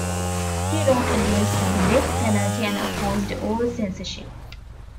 He wrote against the death penalty and opposed all censorship.